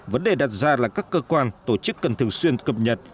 vấn đề đặt ra là các cơ quan tổ chức cần thường xuyên cập nhật